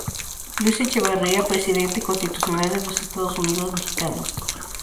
Luis Echeverría presidente constitucional de los Estados Unidos Mexicanos.